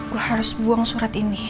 gue harus buang surat ini